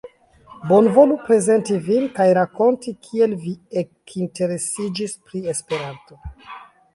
Bonvolu prezenti vin kaj rakonti kiel vi ekinteresiĝis pri Esperanto.